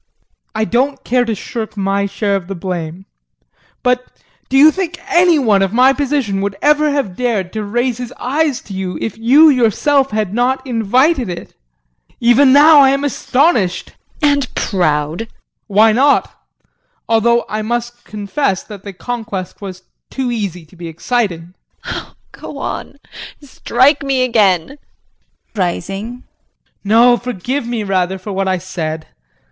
I don't care to shirk my share of the blame, but do you think any one of my position would ever have dared to raise his eyes to you if you yourself had not invited it? Even now I am astonished JULIE. And proud. JEAN. Why not? Although I must confess that the conquest was too easy to be exciting. JULIE. Go on, strike me again JEAN [Rising]. No, forgive me, rather, for what I said.